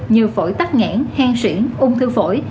như phổi tắc ngãn hen xuyển ung thư phổi